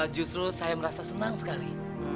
justru saya merasa senang sekali